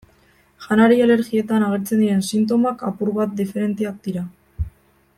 Janari-alergietan agertzen diren sintomak apur bat diferenteak dira.